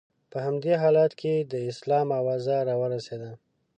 په همدې حالت کې د اسلام اوازه را ورسېده.